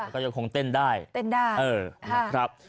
ครับ